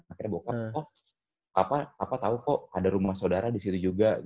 akhirnya bokap oh papa tau kok ada rumah sodara disitu juga